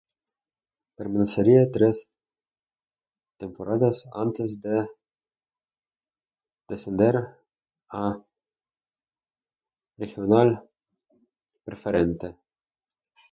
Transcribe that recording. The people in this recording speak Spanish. Permanecería tres temporadas antes de descender a Regional Preferente.